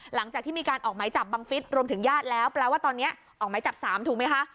หลังจากที่มีการออกหมายจับบังฟิศรวมถึงญาติแล้วแปลว่าตอนนี้ออกหมายจับ๓ถูกไหมคะ